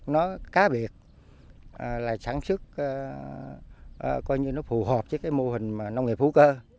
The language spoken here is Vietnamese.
nó cá biệt là sản xuất coi như nó phù hợp với cái mô hình nông nghiệp hữu cơ